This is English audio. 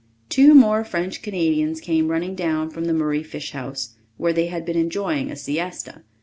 Two more French Canadians came running down from the Murray fish house, where they had been enjoying a siesta.